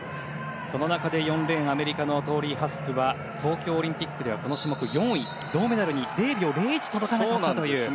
その中で４レーンアメリカのトーリー・ハスクは東京オリンピックではこの種目４位、銅メダルに０秒０１届かなかったという。